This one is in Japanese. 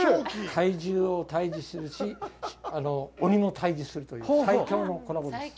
怪獣を退治するし鬼も退治するという最強のコラボです。